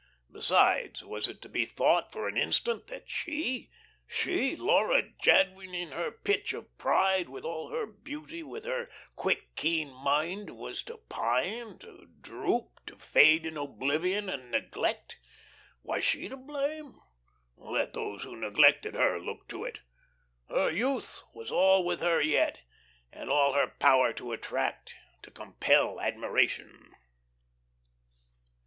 Besides, was it to be thought, for an instant, that she, she, Laura Jadwin, in her pitch of pride, with all her beauty, with her quick, keen mind, was to pine, to droop to fade in oblivion and neglect? Was she to blame? Let those who neglected her look to it. Her youth was all with her yet, and all her power to attract, to compel admiration.